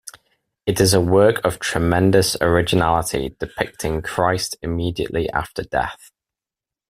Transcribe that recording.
It is a work of tremendous originality, depicting Christ immediately after death.